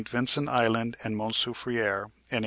Vincent Island and Mont Soufriere in 1812.